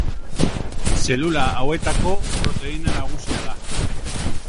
Zelula hauetako proteina nagusia da.